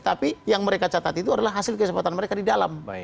tapi yang mereka catat itu adalah hasil kesempatan mereka di dalam